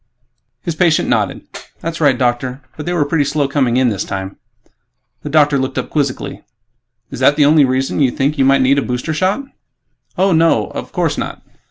His patient nodded, "That's right, Doctor. But they were pretty slow coming in this time." The doctor looked up quizzically, "Is that the only reason you think you might need a booster shot?" "Oh, no ... of course not!"